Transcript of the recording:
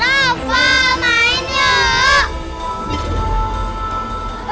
rafa main dong